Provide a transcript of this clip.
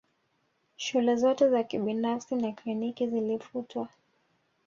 Shule zote za kibinafsi na kliniki zilifutwa